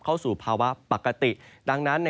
ก็จะมีการแผ่ลงมาแตะบ้างนะครับ